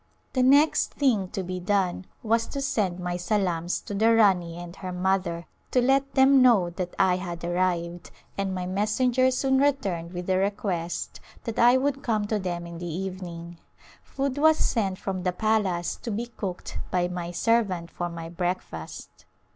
The next thing to be done was to send my salams to the Rani and her mother to let them know that I had arrived, and my messenger soon returned with the request that I would come to them in the evening. Food was sent from the palace to be cooked by my servant for my breakfast.